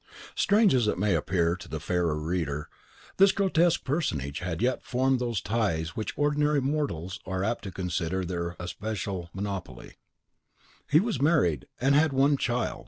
Strange as it may appear to the fairer reader, this grotesque personage had yet formed those ties which ordinary mortals are apt to consider their especial monopoly, he was married, and had one child.